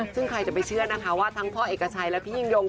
ซึ่งใครจะไปเชื่อนะคะว่าพ่อเอกกระชัยและพี่หญิงยง